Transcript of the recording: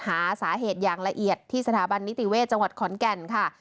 หาสาเหตุอย่างละเอียดที่สถาบันนิติเวศจังหวัดขอนแก่นค่ะ